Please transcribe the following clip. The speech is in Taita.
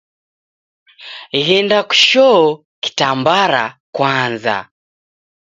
Ghenda kushoo kitambara kwaza.